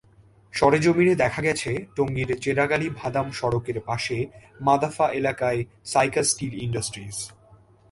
সরেজমিনে দেখা গেছে, টঙ্গীর চেরাগআলী-ভাদাম সড়কের পাশে মাদাফা এলাকায় সাইকা স্টিল ইন্ডাস্ট্রিজ।